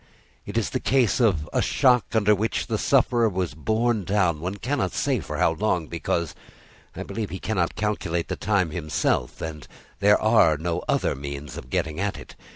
It is the case of a shock under which the sufferer was borne down, one cannot say for how long, because I believe he cannot calculate the time himself, and there are no other means of getting at it.